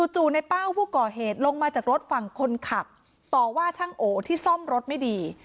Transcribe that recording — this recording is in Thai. จู่ในเป้าผู้ก่อเหตุลงมาจากรถฝั่งคนขับต่อว่าช่างโอที่ซ่อมรถไม่ดี